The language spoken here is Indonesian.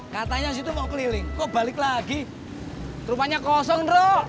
katanya situ mau keliling kok balik lagi rupanya kosong